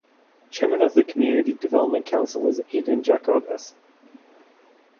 Chairman of their Community Development Council is Aiden Jacobus.